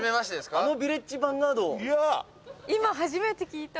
「あのヴィレッジヴァンガードを」